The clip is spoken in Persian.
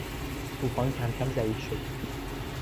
توفان کمکم ضعیف شد.